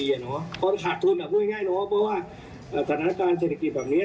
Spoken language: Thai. เพราะว่าสถานการณ์เศรษฐกิจแบบนี้